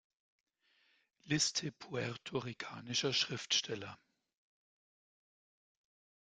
Liste puerto-ricanischer Schriftsteller